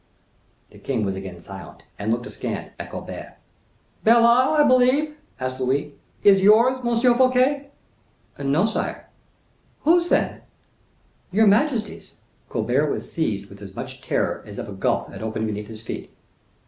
The king was again silent, and looked askant at Colbert. "Belle Isle, I believe," added Louis, "is yours, M. Fouquet?" "No, sire." "Whose then?" "Your majesty's." Colbert was seized with as much terror as if a gulf had opened beneath his feet.